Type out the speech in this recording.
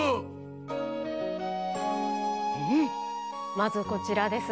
まずこちらです。